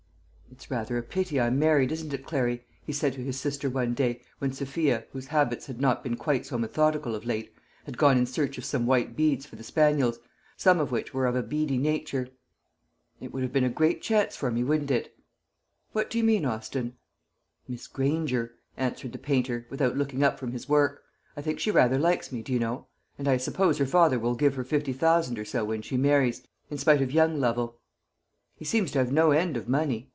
"It's rather a pity I'm married, isn't it, Clary?" he said to his sister one day, when Sophia, whose habits had not been quite so methodical of late, had gone in search of some white beads for the spaniels, some of which were of a beady nature. "It would have been a great chance for me, wouldn't it?" "What do you mean, Austin?" "Miss Granger," answered the painter, without looking up from his work, "I think she rather likes me, do you know; and I suppose her father will give her fifty thousand or so when she marries, in spite of young Lovel. He seems to have no end of money.